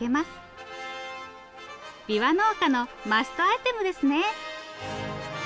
びわ農家のマストアイテムですね。